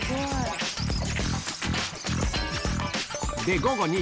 で、午後２時。